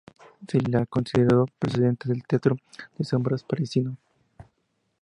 Se la consideró precedente del teatro de sombras parisino "Le Chat Noir".